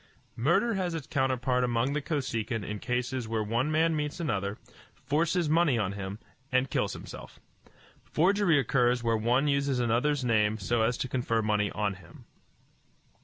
Murder has its counterpart among the Kosekin in cases where one man meets another, forces money on him, and kills himself. Forgery occurs where one uses another's name so as to confer money on him.